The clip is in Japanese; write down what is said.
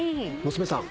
娘さん。